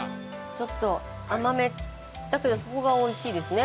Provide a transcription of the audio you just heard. ちょっと甘めだけどそこがおいしいですね。